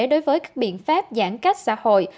đối với các biện pháp giãn cách xã hội